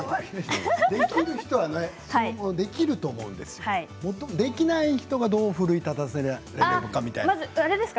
できると思うんですよできない人がどう奮い立たせられるか、みたいなことですよ。